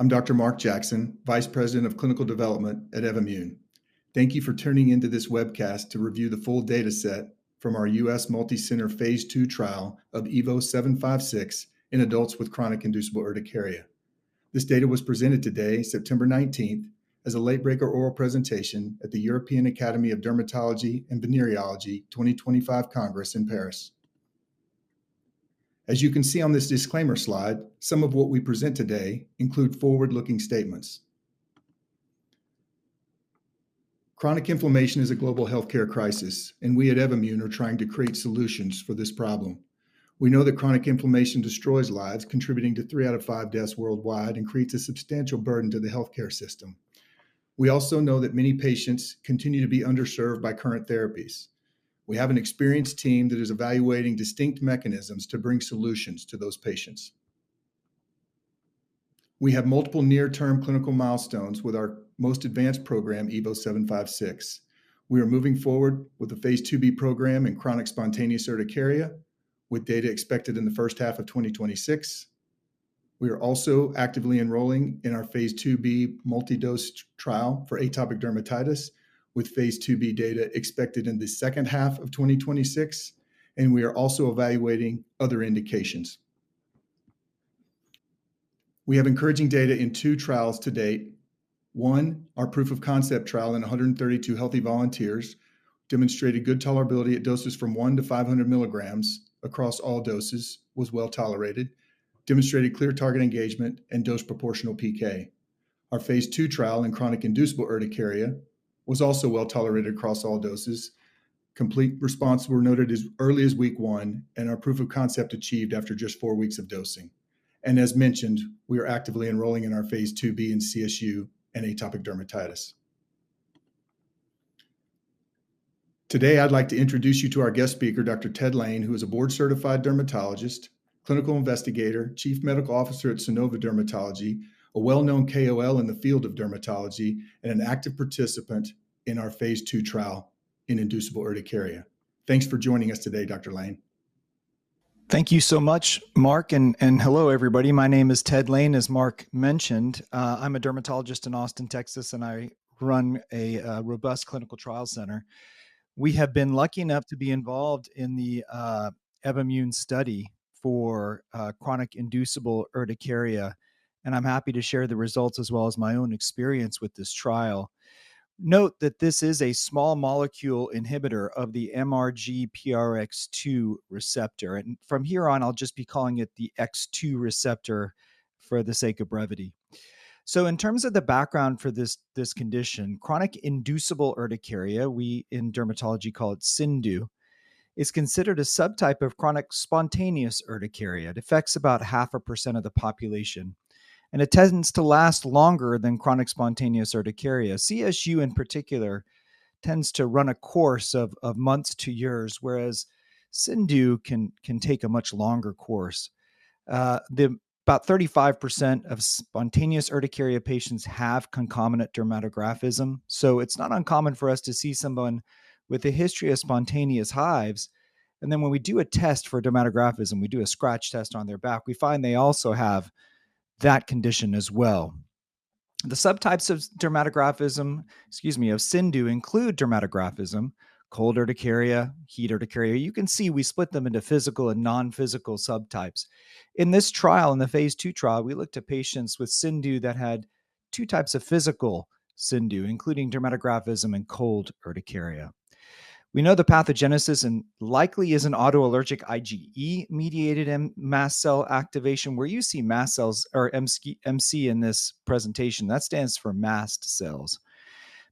I'm Dr. Mark Jackson, Vice President of Clinical Development at Evommune. Thank you for tuning into this webcast to review the full dataset from our U.S. multicenter phase II trial of EVO756 in adults with chronic inducible urticaria. This data was presented today, September 19th, as a late-breaker oral presentation at the European Academy of Dermatology and Venereology 2025 Congress in Paris. As you can see on this disclaimer slide, some of what we present today include forward-looking statements. Chronic inflammation is a global healthcare crisis, and we at Evommune are trying to create solutions for this problem. We know that chronic inflammation destroys lives, contributing to three out of five deaths worldwide, and creates a substantial burden to the healthcare system. We also know that many patients continue to be underserved by current therapies. We have an experienced team that is evaluating distinct mechanisms to bring solutions to those patients. We have multiple near-term clinical milestones with our most advanced program, EVO756. We are moving forward with the phase II-B program in chronic spontaneous urticaria, with data expected in the first half of 2026. We are also actively enrolling in our phase II-B multidose trial for atopic dermatitis, with phase II-B data expected in the second half of 2026, and we are also evaluating other indications. We have encouraging data in two trials to date. One, our proof of concept trial in 132 healthy volunteers demonstrated good tolerability at doses from one to 500 mgs across all doses, was well tolerated, demonstrated clear target engagement, and dose-proportional PK. Our Phase II trial in chronic inducible urticaria was also well tolerated across all doses. Complete responses were noted as early as week one, and our proof of concept achieved after just four weeks of dosing, and as mentioned, we are actively enrolling in our phase II-B in CSU and atopic dermatitis. Today, I'd like to introduce you to our guest speaker, Dr. Ted Lain, who is a board-certified dermatologist, clinical investigator, chief medical officer at Sanova Dermatology, a well-known KOL in the field of dermatology, and an active participant in our phase II trial in inducible urticaria. Thanks for joining us today, Dr. Lain. Thank you so much, Mark. And hello, everybody. My name is Ted Lain, as Mark mentioned. I'm a dermatologist in Austin, Texas, and I run a robust clinical trial center. We have been lucky enough to be involved in the Evommune study for chronic inducible urticaria, and I'm happy to share the results as well as my own experience with this trial. Note that this is a small-molecule inhibitor of the MRGPRX2 receptor. And from here on, I'll just be calling it the X2 receptor for the sake of brevity. So in terms of the background for this condition, chronic inducible urticaria, we in dermatology call it CIndU, is considered a subtype of chronic spontaneous urticaria. It affects about 0.5% of the population, and it tends to last longer than chronic spontaneous urticaria. CSU, in particular, tends to run a course of months to years, whereas CIndU can take a much longer course. About 35% of spontaneous urticaria patients have concomitant dermatographism, so it's not uncommon for us to see someone with a history of spontaneous hives, and then when we do a test for dermatographism, we do a scratch test on their back, we find they also have that condition as well. The subtypes of dermatographism, excuse me, of CIndU include dermatographism, cold urticaria, heat urticaria. You can see we split them into physical and non-physical subtypes. In this trial, in the phase II trial, we looked at patients with CIndU that had two types of physical CIndU, including dermatographism and cold urticaria. We know the pathogenesis likely is an autoallergenic IgE-mediated mast cell activation, where you see mast cells or MC in this presentation. That stands for mast cells.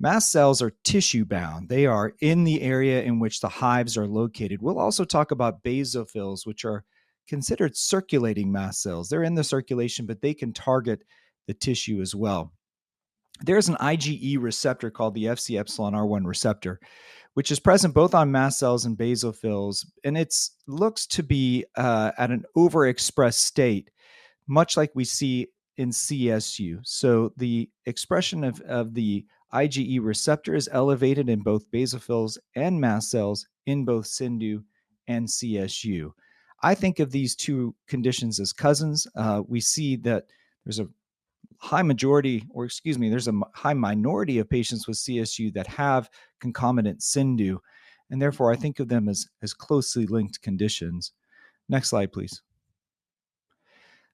Mast cells are tissue-bound. They are in the area in which the hives are located. We'll also talk about basophils, which are considered circulating mast cells. They're in the circulation, but they can target the tissue as well. There is an IgE receptor called the Fc epsilon RI receptor, which is present both on mast cells and basophils, and it looks to be at an overexpressed state, much like we see in CSU. So the expression of the IgE receptor is elevated in both basophils and mast cells in both CIndU and CSU. I think of these two conditions as cousins. We see that there's a high majority, or excuse me, there's a high minority of patients with CSU that have concomitant CIndU, and therefore I think of them as closely linked conditions. Next slide, please.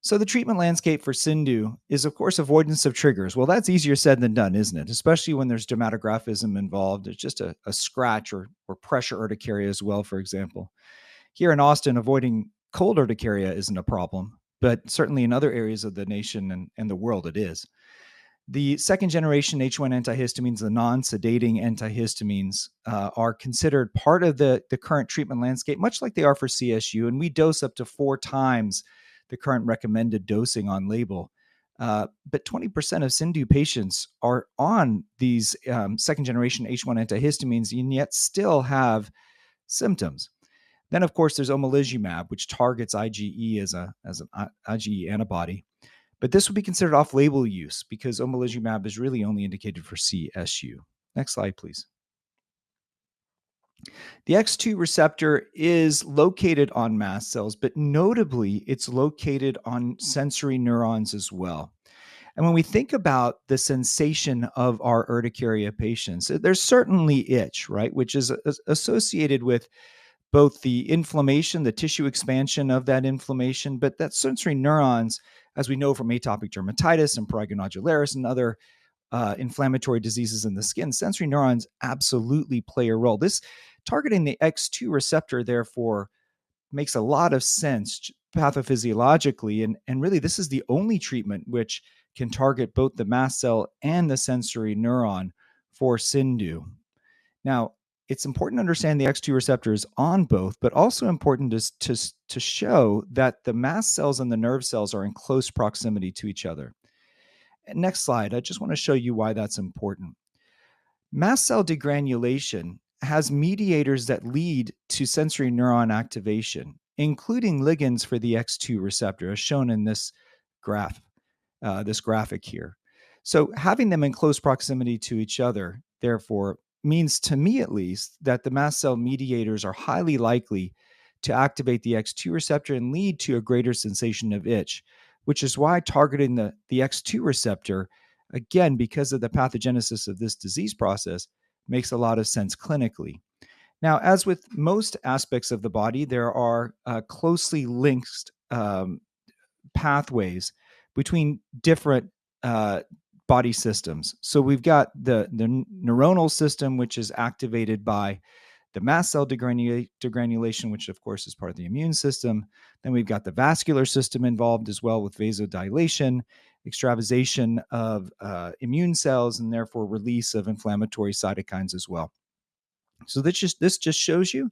So the treatment landscape for CIndU is, of course, avoidance of triggers. That's easier said than done, isn't it? Especially when there's dermatographism involved. It's just a scratch or pressure urticaria as well, for example. Here in Austin, avoiding cold urticaria isn't a problem, but certainly in other areas of the nation and the world, it is. The second-generation H1 antihistamines, the non-sedating antihistamines, are considered part of the current treatment landscape, much like they are for CSU, and we dose up to four times the current recommended dosing on label. But 20% of CIndU patients are on these second-generation H1 antihistamines and yet still have symptoms. Then, of course, there's Omalizumab, which targets IgE as an IgE antibody. But this would be considered off-label use because Omalizumab is really only indicated for CSU. Next slide, please. The X2 receptor is located on mast cells, but notably, it's located on sensory neurons as well. When we think about the sensation of our urticaria patients, there's certainly itch, right, which is associated with both the inflammation, the tissue expansion of that inflammation, but that sensory neurons, as we know from atopic dermatitis and prurigo nodularis and other inflammatory diseases in the skin, sensory neurons absolutely play a role. This targeting the X2 receptor, therefore, makes a lot of sense pathophysiologically, and really this is the only treatment which can target both the mast cell and the sensory neuron for CIndU. Now, it's important to understand the X2 receptor is on both, but also important to show that the mast cells and the nerve cells are in close proximity to each other. Next slide, I just want to show you why that's important. Mast cell degranulation has mediators that lead to sensory neuron activation, including ligands for the X2 receptor, as shown in this graphic here, so having them in close proximity to each other, therefore, means to me, at least, that the mast cell mediators are highly likely to activate the X2 receptor and lead to a greater sensation of itch, which is why targeting the X2 receptor, again, because of the pathogenesis of this disease process, makes a lot of sense clinically. Now, as with most aspects of the body, there are closely linked pathways between different body systems, so we've got the neuronal system, which is activated by the mast cell degranulation, which, of course, is part of the immune system, then we've got the vascular system involved as well with vasodilation, extravasation of immune cells, and therefore release of inflammatory cytokines as well. So this just shows you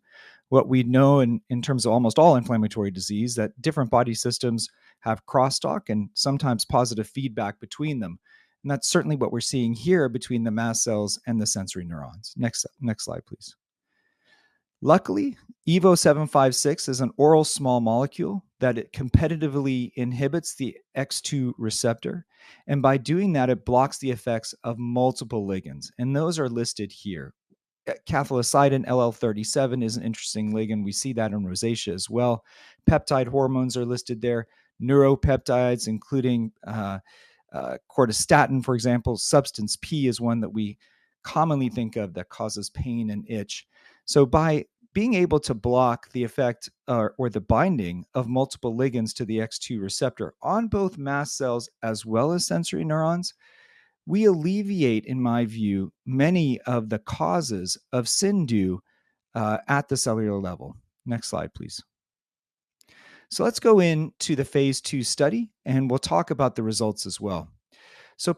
what we know in terms of almost all inflammatory disease, that different body systems have crosstalk and sometimes positive feedback between them. And that's certainly what we're seeing here between the mast cells and the sensory neurons. Next slide, please. Luckily, EVO756 is an oral small molecule that competitively inhibits the X2 receptor, and by doing that, it blocks the effects of multiple ligands, and those are listed here. Cathelicidin LL-37 is an interesting ligand. We see that in rosacea as well. Peptide hormones are listed there. Neuropeptides, including cortistatin, for example, substance P, is one that we commonly think of that causes pain and itch. By being able to block the effect or the binding of multiple ligands to the X2 receptor on both mast cells as well as sensory neurons, we alleviate, in my view, many of the causes of CIndU at the cellular level. Next slide, please. Let's go into the phase II study, and we'll talk about the results as well.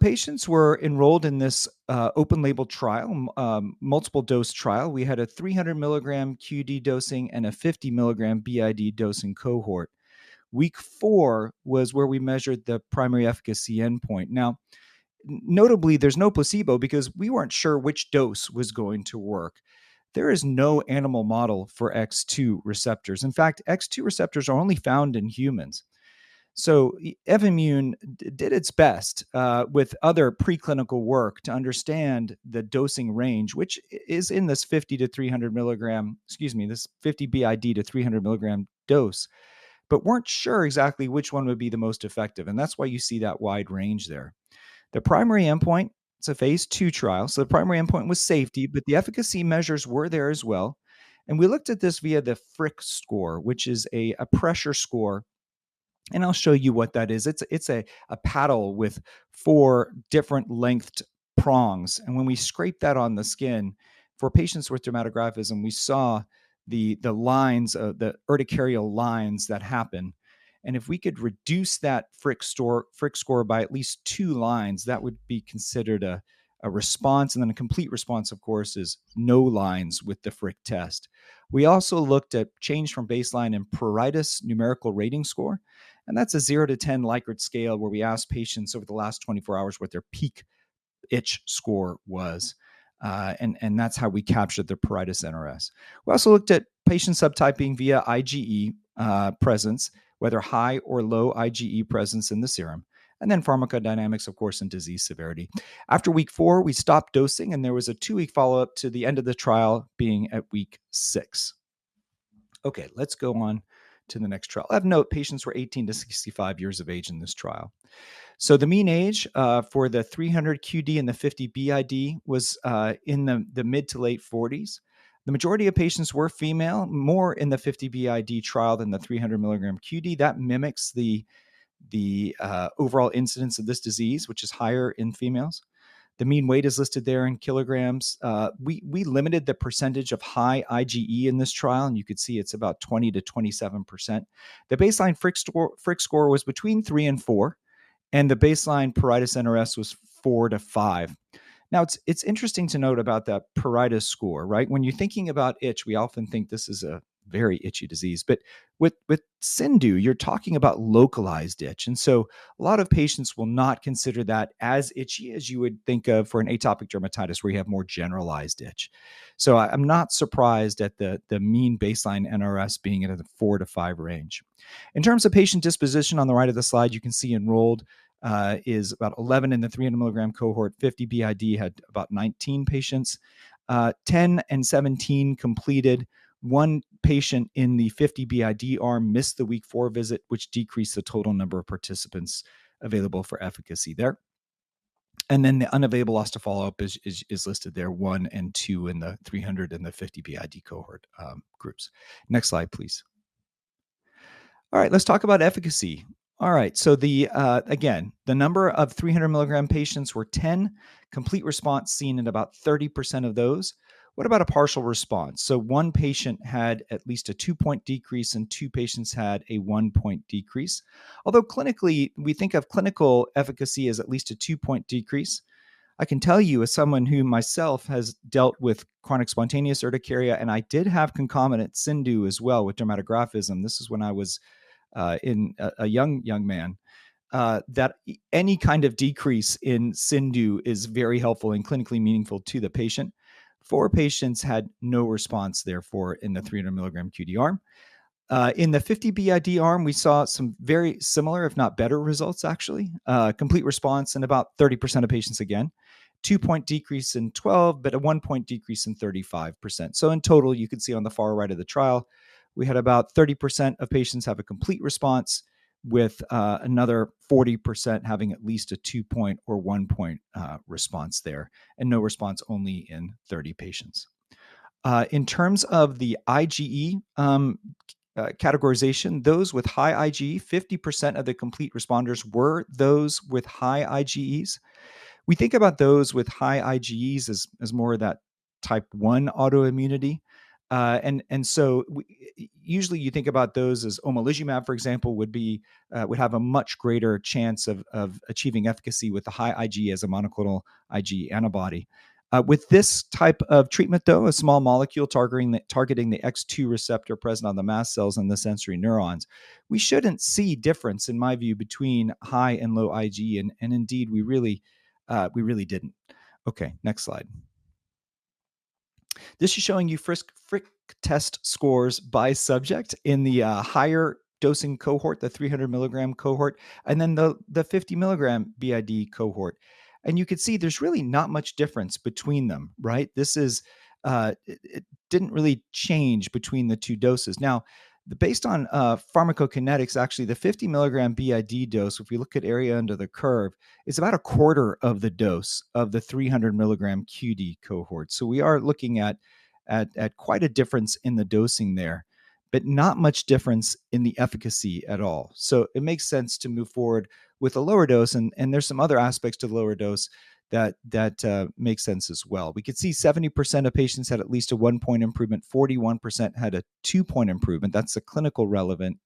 Patients were enrolled in this open-label trial, multiple-dose trial. We had a 300 mg QD dosing and a 50 mg BID dosing cohort. Week four was where we measured the primary efficacy endpoint. Now, notably, there's no placebo because we weren't sure which dose was going to work. There is no animal model for X2 receptors. In fact, X2 receptors are only found in humans. So Evommune did its best with other preclinical work to understand the dosing range, which is in this 50-300 mg, excuse me, this 50 BID to 300 mg dose, but weren't sure exactly which one would be the most effective. And that's why you see that wide range there. The primary endpoint, it's a phase II trial. So the primary endpoint was safety, but the efficacy measures were there as well. And we looked at this via the Fric score, which is a pressure score. And I'll show you what that is. It's a paddle with four different-lengthed prongs. And when we scrape that on the skin, for patients with dermatographism, we saw the urticarial lines that happen. And if we could reduce that Fric score by at least two lines, that would be considered a response. A complete response, of course, is no lines with the FricTest. We also looked at change from baseline and pruritus numerical rating score. That's a zero-10 Likert scale where we asked patients over the last 24 hours what their peak itch score was. That's how we captured the pruritus NRS. We also looked at patient subtyping via IgE presence, whether high or low IgE presence in the serum. Then pharmacodynamics, of course, and disease severity. After week four, we stopped dosing, and there was a two-week follow-up to the end of the trial being at week six. Okay, let's go on to the next trial. Of note, patients were 18-65 years of age in this trial. So the mean age for the 300 QD and the 50 BID was in the mid- to late 40s. The majority of patients were female, more in the 50 BID trial than the 300 mg QD. That mimics the overall incidence of this disease, which is higher in females. The mean weight is listed there in kgs. We limited the percentage of high IgE in this trial, and you could see it's about 20%-27%. The baseline FricTest score was between three and four, and the baseline pruritus NRS was four to five. Now, it's interesting to note about that pruritus score, right? When you're thinking about itch, we often think this is a very itchy disease, but with CIndU, you're talking about localized itch. And so a lot of patients will not consider that as itchy as you would think of for an atopic dermatitis, where you have more generalized itch. So I'm not surprised at the mean baseline NRS being in the four to five range. In terms of patient disposition, on the right of the slide, you can see enrolled is about 11 in the 300 mg cohort. 50 BID had about 19 patients. 10 and 17 completed. One patient in the 50 BID arm missed the week four visit, which decreased the total number of participants available for efficacy there. And then the unavailable, loss to follow-up is listed there, one and two in the 300 and the 50 BID cohort groups. Next slide, please. All right, let's talk about efficacy. All right, so again, the number of 300 mg patients were 10. Complete response seen in about 30% of those. What about a partial response? So one patient had at least a two-point decrease, and two patients had a one-point decrease. Although clinically, we think of clinical efficacy as at least a two-point decrease. I can tell you as someone who myself has dealt with chronic spontaneous urticaria, and I did have concomitant CIndU as well with dermatographism, this is when I was a young man, that any kind of decrease in CIndU is very helpful and clinically meaningful to the patient. Four patients had no response, therefore, in the 300 mg QD arm. In the 50 BID arm, we saw some very similar, if not better results, actually. Complete response in about 30% of patients again. Two-point decrease in 12%, but a one-point decrease in 35%. So in total, you can see on the far right of the trial, we had about 30% of patients have a complete response, with another 40% having at least a two-point or one-point response there, and no response only in 30%. In terms of the IgE categorization, those with high IgE, 50% of the complete responders were those with high IgEs. We think about those with high IgEs as more of that type one autoimmunity. And so usually you think about those as Omalizumab, for example, would have a much greater chance of achieving efficacy with the high IgE as a monoclonal IgE antibody. With this type of treatment, though, a small molecule targeting the X2 receptor present on the mast cells and the sensory neurons, we shouldn't see difference, in my view, between high and low IgE, and indeed we really didn't. Okay, next slide. This is showing you FricTest scores by subject in the higher dosing cohort, the 300 mg cohort, and then the 50 mg BID cohort. And you could see there's really not much difference between them, right? It didn't really change between the two doses. Now, based on pharmacokinetics, actually, the 50 mg BID dose, if we look at area under the curve, is about a quarter of the dose of the 300 mg QD cohort. So we are looking at quite a difference in the dosing there, but not much difference in the efficacy at all. So it makes sense to move forward with a lower dose, and there's some other aspects to the lower dose that make sense as well. We could see 70% of patients had at least a one-point improvement. 41% had a two-point improvement. That's a clinically relevant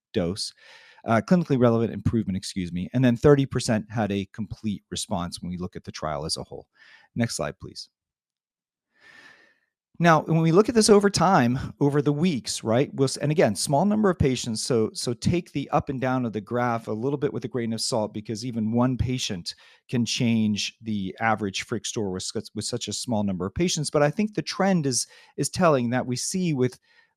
improvement, excuse me, and then 30% had a complete response when we look at the trial as a whole. Next slide, please. Now, when we look at this over time, over the weeks, right? And again, small number of patients, so take the up and down of the graph a little bit with a grain of salt, because even one patient can change the average Fric score with such a small number of patients. But I think the trend is telling that we see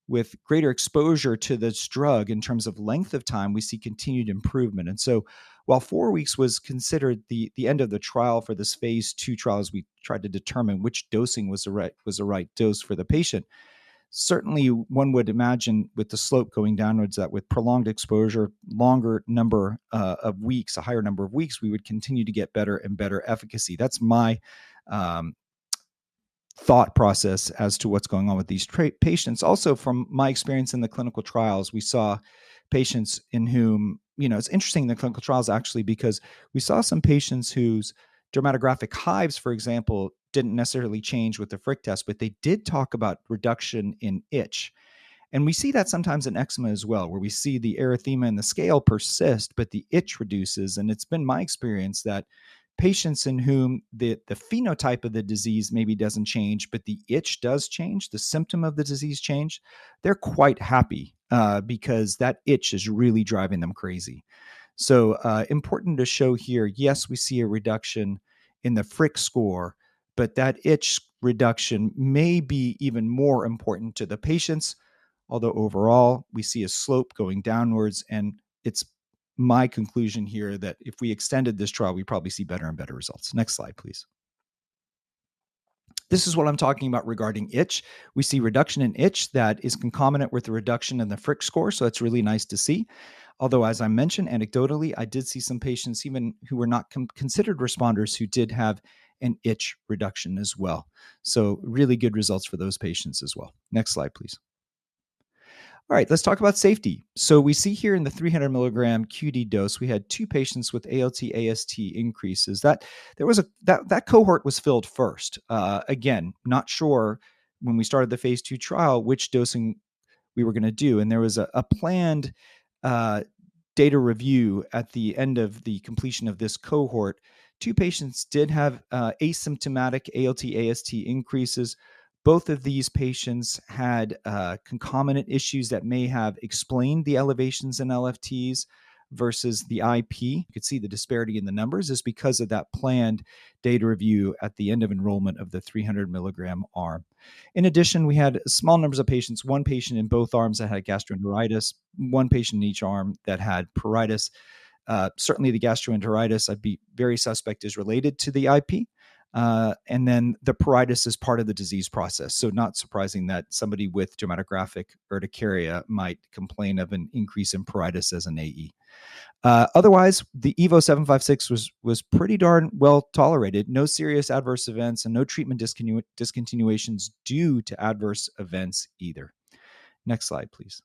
with greater exposure to this drug in terms of length of time, we see continued improvement. And so while four weeks was considered the end of the trial for this phase II trial, as we tried to determine which dosing was the right dose for the patient, certainly one would imagine with the slope going downwards that with prolonged exposure, longer number of weeks, a higher number of weeks, we would continue to get better and better efficacy. That's my thought process as to what's going on with these patients. Also, from my experience in the clinical trials, we saw patients in whom, you know, it's interesting in the clinical trials, actually, because we saw some patients whose dermatographic hives, for example, didn't necessarily change with the FricTest, but they did talk about reduction in itch. And we see that sometimes in eczema as well, where we see the erythema and the scale persist, but the itch reduces. And it's been my experience that patients in whom the phenotype of the disease maybe doesn't change, but the itch does change, the symptom of the disease change, they're quite happy because that itch is really driving them crazy. So important to show here, yes, we see a reduction in the FricTest score, but that itch reduction may be even more important to the patients. Although overall, we see a slope going downwards, and it's my conclusion here that if we extended this trial, we'd probably see better and better results. Next slide, please. This is what I'm talking about regarding itch. We see reduction in itch that is concomitant with the reduction in the FricTest score. So that's really nice to see. Although, as I mentioned, anecdotally, I did see some patients, even who were not considered responders, who did have an itch reduction as well. So really good results for those patients as well. Next slide, please. All right, let's talk about safety. So we see here in the 300 mg QD dose, we had two patients with ALT/AST increases. That cohort was filled first. Again, not sure when we started the phase II trial which dosing we were going to do. There was a planned data review at the end of the completion of this cohort. Two patients did have asymptomatic ALT/AST increases. Both of these patients had concomitant issues that may have explained the elevations in LFTs versus the IP. You could see the disparity in the numbers is because of that planned data review at the end of enrollment of the 300 mg arm. In addition, we had small numbers of patients, one patient in both arms that had gastroenteritis, one patient in each arm that had pruritus. Certainly, the gastroenteritis, I'd be very suspect, is related to the IP. Then the pruritus is part of the disease process. So not surprising that somebody with dermatographic urticaria might complain of an increase in pruritus as an AE. Otherwise, the EVO756 was pretty darn well tolerated. No serious adverse events and no treatment discontinuations due to adverse events either. Next slide, please.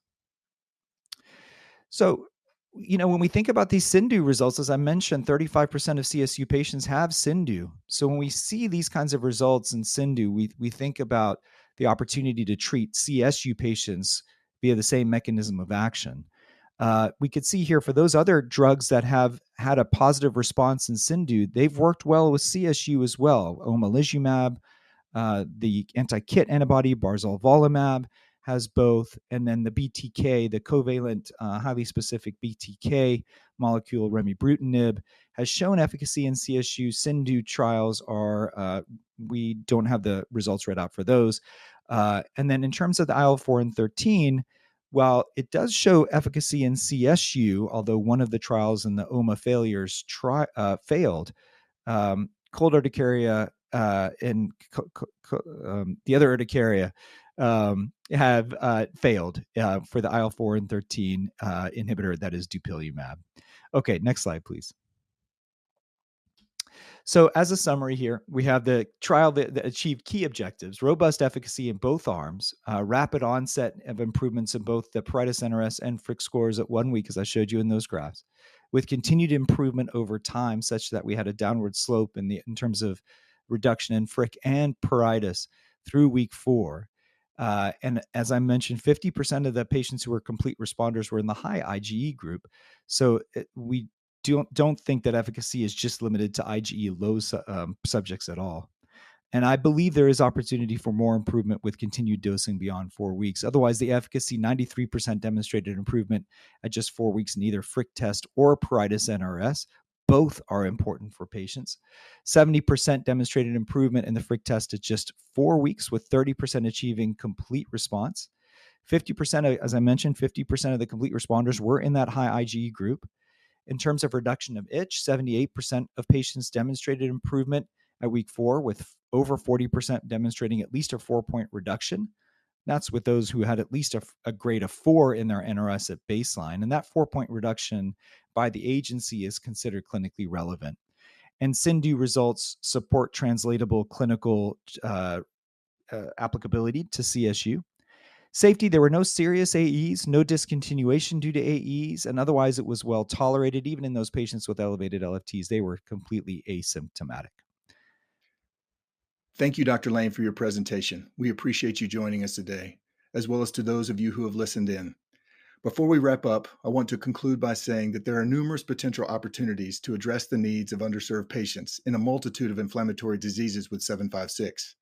So when we think about these CIndU results, as I mentioned, 35% of CSU patients have CIndU. So when we see these kinds of results in CIndU, we think about the opportunity to treat CSU patients via the same mechanism of action. We could see here for those other drugs that have had a positive response in CIndU, they've worked well with CSU as well. Omalizumab, the anti-KIT antibody, Barzolvolumab has both. And then the BTK, the covalent highly specific BTK molecule, Remibrutinib, has shown efficacy in CSU. CIndU trials, we don't have the results read out for those. And then in terms of the IL-4 and 13, while it does show efficacy in CSU, although one of the trials for Omalizumab failed, cold urticaria and the other urticaria have failed for the IL-4 and 13 inhibitor that is Dupilumab. Okay, next slide, please. So as a summary here, we have the trial that achieved key objectives, robust efficacy in both arms, rapid onset of improvements in both the pruritus NRS and FricTest scores at one week, as I showed you in those graphs, with continued improvement over time such that we had a downward slope in terms of reduction in FricTest and pruritus through week four. And as I mentioned, 50% of the patients who were complete responders were in the high IgE group. So we don't think that efficacy is just limited to IgE low subjects at all. I believe there is opportunity for more improvement with continued dosing beyond four weeks. Otherwise, the efficacy, 93% demonstrated improvement at just four weeks in either Fric test or pruritus NRS. Both are important for patients. 70% demonstrated improvement in the Fric test at just four weeks, with 30% achieving complete response. As I mentioned, 50% of the complete responders were in that high IgE group. In terms of reduction of itch, 78% of patients demonstrated improvement at week four, with over 40% demonstrating at least a four-point reduction. That's with those who had at least a grade of four in their NRS at baseline. That four-point reduction by the agency is considered clinically relevant. CIndU results support translatable clinical applicability to CSU. Safety, there were no serious AEs, no discontinuation due to AEs, and otherwise it was well tolerated. Even in those patients with elevated LFTs, they were completely asymptomatic. Thank you, Dr. Lain, for your presentation. We appreciate you joining us today, as well as to those of you who have listened in. Before we wrap up, I want to conclude by saying that there are numerous potential opportunities to address the needs of underserved patients in a multitude of inflammatory diseases with 756.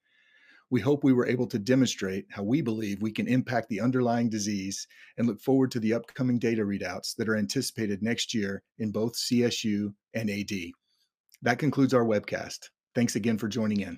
We hope we were able to demonstrate how we believe we can impact the underlying disease and look forward to the upcoming data readouts that are anticipated next year in both CSU and AD. That concludes our webcast. Thanks again for joining in.